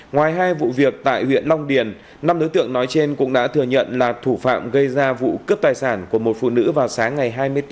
ngoài hai vụ việc tại huyện long điền năm đối tượng nói trên cũng đã thừa nhận là thủ phạm gây ra vụ cướp tài sản của một phụ nữ vào sáng ngày hai mươi bốn